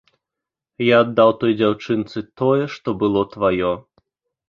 Я аддаў той дзяўчынцы тое, што было тваё.